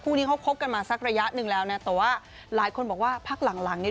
นี้เขาคบกันมาสักระยะหนึ่งแล้วนะแต่ว่าหลายคนบอกว่าพักหลังหลังเนี่ย